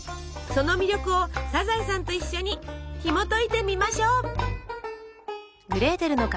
その魅力をサザエさんと一緒にひもといてみましょう。